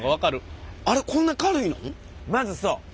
まずそう。